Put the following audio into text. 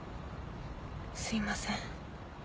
すいません。